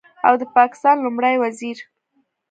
او د پاکستان لومړي وزیر